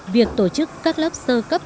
việc tổ chức các lớp sơ cấp